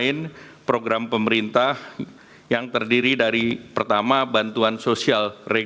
ini juga diberlakukan januari dua ribu dua puluh empat